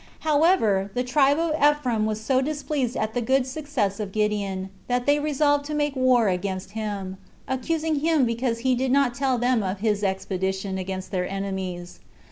6. However, the tribe of Ephraim was so displeased at the good success of Gideon, that they resolved to make war against him, accusing him because he did not tell them of his expedition against their enemies.